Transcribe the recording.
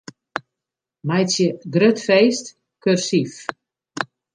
Meitsje 'grut feest' kursyf.